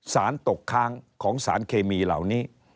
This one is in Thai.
สารตกค้างของสารเคมีเหล่านี้